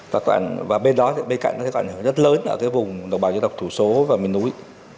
và bên đó bên cạnh có thể gọi là rất lớn ở cái vùng đồng bào dân tộc thủ số và miền núi